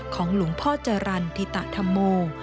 ของหลวงพ่อจรรย์ธิตธรรมโม